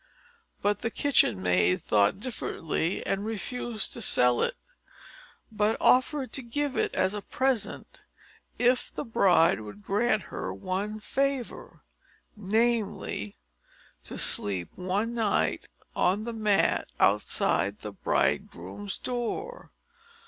But the kitchen maid thought differently, and refused to sell it, but offered to give it as a present, if the bride would grant her one favour namely, to sleep one night on the mat outside the bridegroom's door.